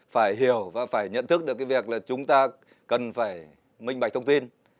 phải hiểu và phải nhận thức được cái việc là chúng ta cần phải minh bạch thông tin